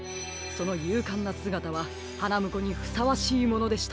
そのゆうかんなすがたははなむこにふさわしいものでしたよ。